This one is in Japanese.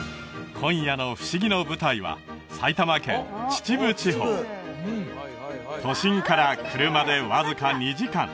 今夜のふしぎの舞台は埼玉県秩父地方都心から車でわずか２時間